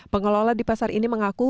pengelola di pasar ini mengaku